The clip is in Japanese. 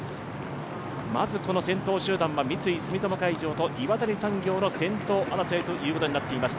まず先頭集団は三井住友海上と岩谷産業の先頭争いとなっています。